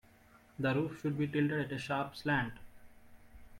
The roof should be tilted at a sharp slant.